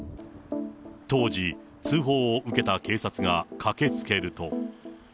当時、通報を受けた警察が駆けつけると。